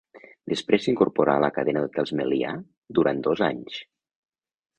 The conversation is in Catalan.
Després s’incorporà a la cadena d’hotels Melià, durant dos anys.